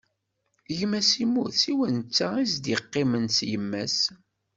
Gma-s immut, siwa netta i s-d-iqqimen s yemma-s.